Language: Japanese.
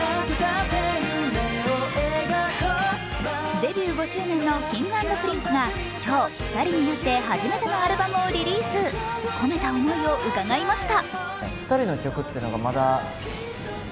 デビュー５周年のＫｉｎｇ＆Ｐｒｉｎｃｅが今日、２人になって初めてのアルバムをリリース込めた思いを伺いました。